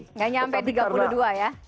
tidak sampai rp tiga puluh dua ya